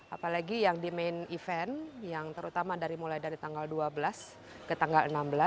apalagi yang di main event yang terutama mulai dari tanggal dua belas ke tanggal enam belas